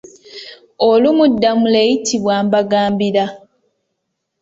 Olumu Ddamula ayitibwa Mbagambira.